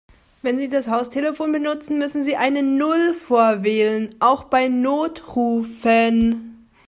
Wenn Sie das Haustelefon benutzen, müssen Sie eine Null vorwählen, auch bei Notrufen.